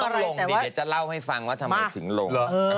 มันต้องลงดิเดี๋ยวจะเล่าให้ฟังว่าทำไมถึงลง